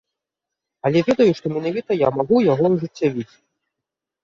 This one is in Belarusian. Але ведаю, што менавіта я магу яго ажыццявіць.